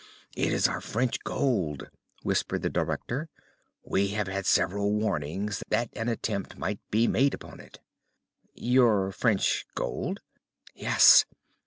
"It is our French gold," whispered the director. "We have had several warnings that an attempt might be made upon it." "Your French gold?" "Yes.